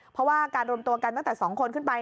เพราะว่าการรวมตัวกันตั้งแต่๒คนขึ้นไป